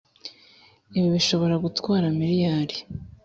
Ibi bishobora gutwara miliyari